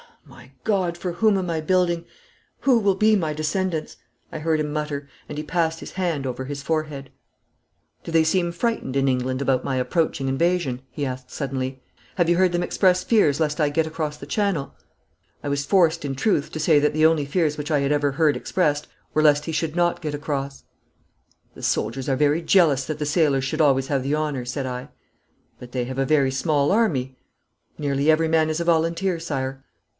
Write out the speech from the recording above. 'My God! for whom am I building? Who will be my descendants?' I heard him mutter, and he passed his hand over his forehead. 'Do they seem frightened in England about my approaching invasion?' he asked suddenly. 'Have you heard them express fears lest I get across the Channel?' I was forced in truth to say that the only fears which I had ever heard expressed were lest he should not get across. 'The soldiers are very jealous that the sailors should always have the honour,' said I. 'But they have a very small army.' 'Nearly every man is a volunteer, Sire.'